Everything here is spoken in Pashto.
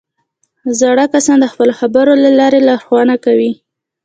زاړه کسان د خپلو خبرو له لارې لارښوونه کوي